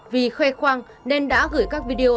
vì khuê khoang nên đã gửi các video